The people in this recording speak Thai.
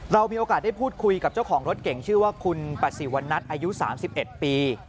เรามีโอกาสได้พูดคุยกับเจ้าของรถเก่งชื่อว่าคุณปสิวัณนัทอายุ๓๑ปี